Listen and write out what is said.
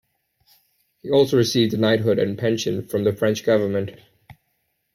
He also received a knighthood and pension from the French government.